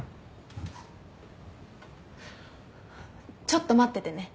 ちょっと待っててね。